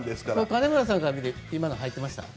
金村さんから見て今の入ってました？